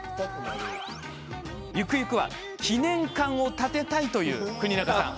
ゆくゆくは、記念館を建てたいという國中さん。